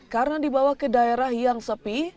karena dibawa ke daerah yang sepi